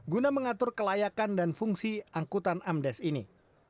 guna mengatur kelayakan dan fungsi angkutan amdes ini